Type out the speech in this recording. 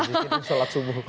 silahkan sholat subuh